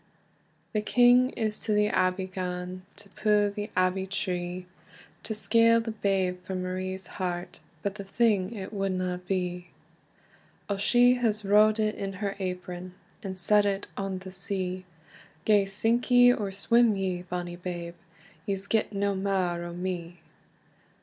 The king is to the Abbey gane, To pu the Abbey tree, To scale the babe frae Marie's heart; But the thing it wadna be. O she has rowd it in her apron, And set it on the sea: "Gae sink ye, or swim ye, bonny babe, Ye's get na mair o me."